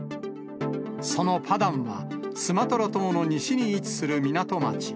そのパダンは、スマトラ島の西に位置する港町。